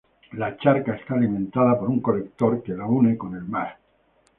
La charca está alimentada por un colector que la une con el mar.